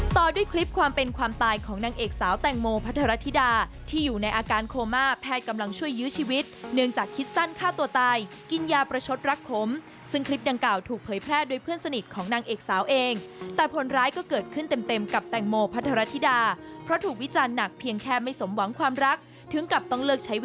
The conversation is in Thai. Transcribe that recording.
ต่อด้วยคลิปความเป็นความตายของนางเอกสาวแตงโมพัทรธิดาที่อยู่ในอาการโคม่าแพทย์กำลังช่วยยื้อชีวิตเนื่องจากคิดสั้นฆ่าตัวตายกินยาประชดรักขมซึ่งคลิปดังกล่าวถูกเผยแพร่โดยเพื่อนสนิทของนางเอกสาวเองแต่ผลร้ายก็เกิดขึ้นเต็มกับแตงโมพัทรธิดาเพราะถูกวิจารณ์หนักเพียงแค่ไม่สมหวังความรักถึงกับต้องเลิกใช้